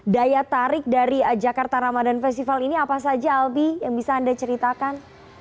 daya tarik dari jakarta ramadan festival ini apa saja albi yang bisa anda ceritakan